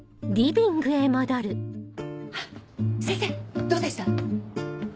あっ先生どうでした？